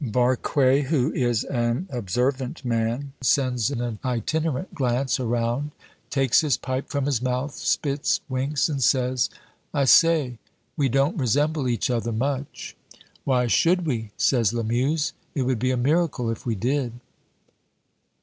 Barque, who is an observant man, sends an itinerant glance around, takes his pipe from his mouth, spits, winks, and says "I say, we don't resemble each other much." "Why should we?" says Lamuse. "It would be a miracle if we did."